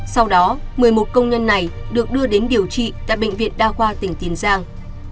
sau đó một mươi một công nhân này được đưa đến điều trị tại bệnh viện đa khoa tỉnh tiền giang